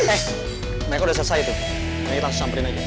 eh mereka udah selesai tuh ayo kita samperin aja